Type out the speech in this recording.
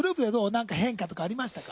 なんか変化とかありましたか？